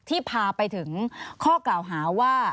ที่พาไปถึงข้อกล่าวหาว่า